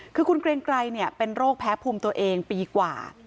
คือคุณเกรงไกรเป็นโรคแพ้ภูมิตัวเองปีกว่า